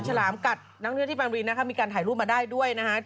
ฉลามกัดนักเนื้อที่ปรานบุรีมีการถ่ายรูปมาได้ด้วย